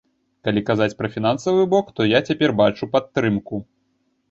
Калі казаць пра фінансавы бок, то я цяпер бачу падтрымку.